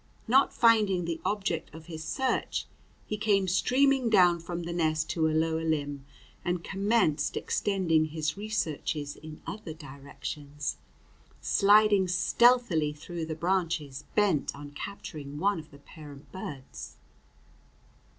Not finding the object of his search, he came streaming down from the nest to a lower limb, and commenced extending his researches in other directions, sliding stealthily through the branches, bent on capturing one of the parent birds.